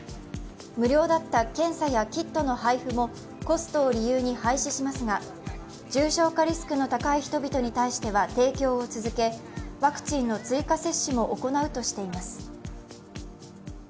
無料だった検査やキットの配布もコストを理由に廃止しますが、重症化リスクの高い人々に対しては提供を続けワクチンの追加接種も行うとしています。